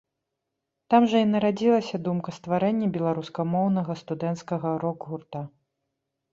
Там жа і нарадзілася думка стварэння беларускамоўнага студэнцкага рок-гурта.